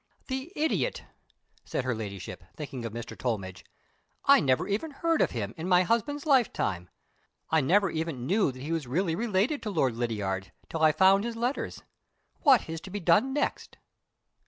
"The idiot!" said her Ladyship, thinking of Mr. Tollmidge, "I never even heard of him, in my husband's lifetime; I never even knew that he was really related to Lord Lydiard, till I found his letters. What is to be done next?"